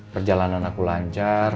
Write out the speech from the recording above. perjalanan aku lancar